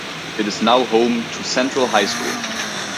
It is now home to Central High School.